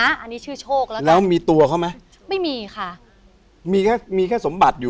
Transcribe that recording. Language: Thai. อันนี้ชื่อโชคแล้วนะแล้วมีตัวเขาไหมไม่มีค่ะมีแค่มีแค่สมบัติอยู่